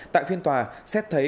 tại phiên tòa xét thấy